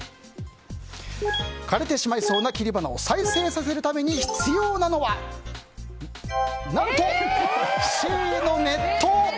枯れてしまいそうな切り花を再生させるために必要なのは、何とＣの熱湯。